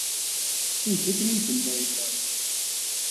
Eg akken ay d-tenna yemma-m.